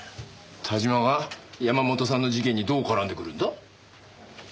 田島が山本さんの事件にどう絡んでくるんだ？